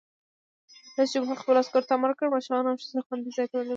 رئیس جمهور خپلو عسکرو ته امر وکړ؛ ماشومان او ښځې خوندي ځای ته ولېلوئ!